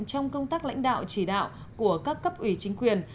trong công tác lãnh đạo chỉ đạo của các cấp ủy chính quyền